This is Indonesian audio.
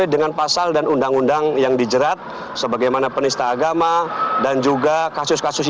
dengan pasal dan undang undang yang dijerat sebagaimana penista agama dan juga kasus kasus